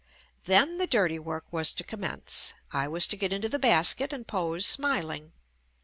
Then the dirty work was to com mence. I was to get into the basket and pose smiling.